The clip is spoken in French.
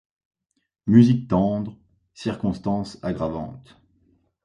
Musique tendre, circonstance aggravante.